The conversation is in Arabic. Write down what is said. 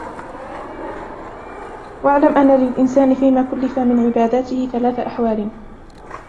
وَاعْلَمْ أَنَّ لِلْإِنْسَانِ فِيمَا كُلِّفَ مِنْ عِبَادَاتِهِ ثَلَاثَ أَحْوَالٍ